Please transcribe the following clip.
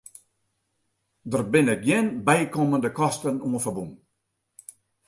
Der binne gjin bykommende kosten oan ferbûn.